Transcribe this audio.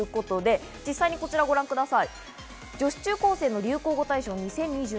実際にこちらをご覧ください。